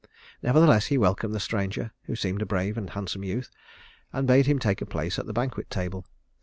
Nevertheless he welcomed the stranger, who seemed a brave and handsome youth, and bade him take a place at the banquet table.